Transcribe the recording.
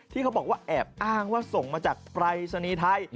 ที่เขาบอกว่าแอบอ้างว่าส่งมาจากปรายศนีย์ไทย